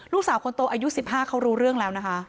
ลูกสาวคนโตอายุ๑๕เขารู้เรื่องแล้วนะคะ